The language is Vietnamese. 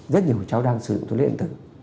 rất nhiều cháu đang sử dụng thuốc lá điện tử